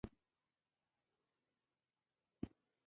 حیوانات باید ونه ځورول شي